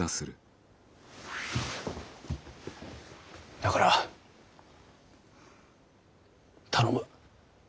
だから頼む。